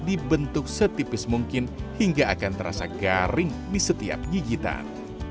dibentuk setipis mungkin hingga akan terasa garing di setiap gigitan